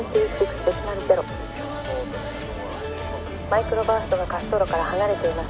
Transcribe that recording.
「マイクロバーストが滑走路から離れています」